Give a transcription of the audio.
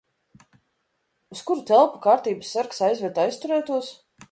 Uz kuru telpu kārtības sargs aizved aizturētos?